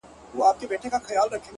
چي بیا يې ونه وینم ومي نه ويني ـ